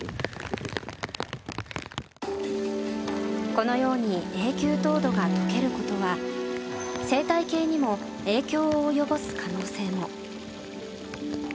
このように永久凍土が解けることは生態系にも影響を及ぼす可能性も。